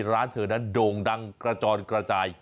ร้านเธอนั้นโด่งดังกระจอนกระจาย